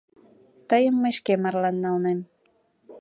Тыйым мый шке марлан налнем.